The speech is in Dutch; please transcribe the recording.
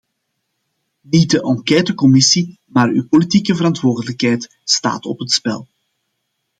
Niet de enquêtecommissie, maar uw politieke verantwoordelijkheid staat op het spel.